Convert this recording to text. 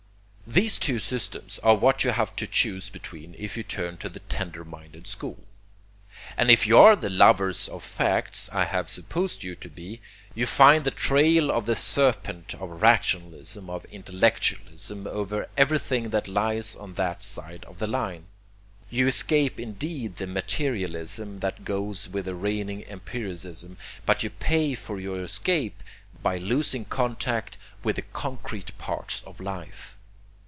These two systems are what you have to choose between if you turn to the tender minded school. And if you are the lovers of facts I have supposed you to be, you find the trail of the serpent of rationalism, of intellectualism, over everything that lies on that side of the line. You escape indeed the materialism that goes with the reigning empiricism; but you pay for your escape by losing contact with the concrete parts of life.